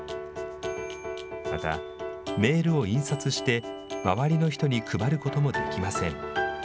また、メールを印刷して周りの人に配ることもできません。